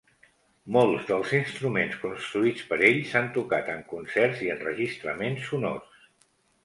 Molts dels instruments construïts per ell s'han tocat en concerts i enregistraments sonors.